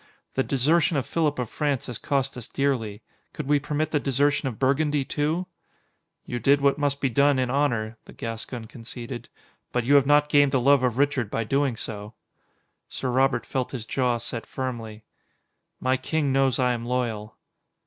The desertion of Philip of France has cost us dearly. Could we permit the desertion of Burgundy, too?" "You did what must be done in honor," the Gascon conceded, "but you have not gained the love of Richard by doing so." Sir Robert felt his jaw set firmly. "My king knows I am loyal."